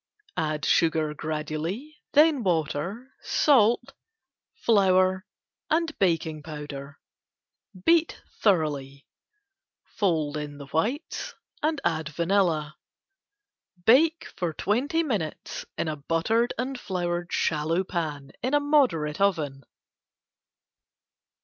Add sugar gradually, then water, salt, flour and baking powder. Beat thoroughly. Fold in whites and add vanilla. Bake twenty minutes in a buttered and floured shallow pan in moderate oven.